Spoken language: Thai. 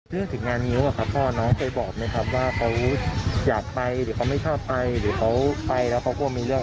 ถึงงานงิ้วอะครับพ่อน้องเคยบอกไหมครับว่าเขาอยากไปหรือเขาไม่ชอบไปหรือเขาไปแล้วเขาก็มีเรื่อง